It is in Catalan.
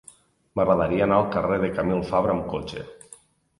M'agradaria anar al carrer de Camil Fabra amb cotxe.